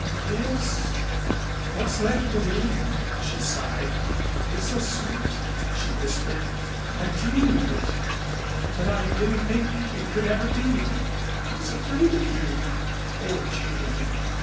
"Yes, what's left of me," she sighed. "It's so sweet," she whispered. "I've dreamed of it but I didn't think it could ever be. I was afraid of you " "Oh, Jane!